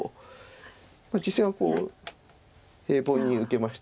実戦はこう平凡に受けました。